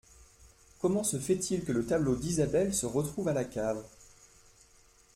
Comment ce fait-il que le tableau d’Isabelle se retrouve à la cave ?